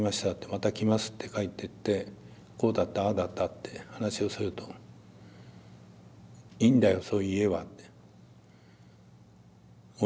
「また来ます」って帰ってってこうだったああだったって話をすると「いいんだよそういう家は」って。